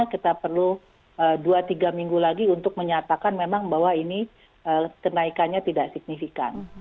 kita perlu dua tiga minggu lagi untuk menyatakan memang bahwa ini kenaikannya tidak signifikan